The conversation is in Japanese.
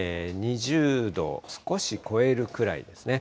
２０度を少し超えるくらいですね。